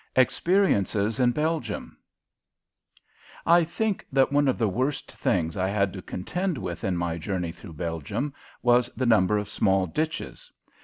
X EXPERIENCES IN BELGIUM I think that one of the worst things I had to contend with in my journey through Belgium was the number of small ditches.